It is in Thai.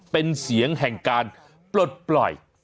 เป็นเสียงแห่งการปลดปล่อย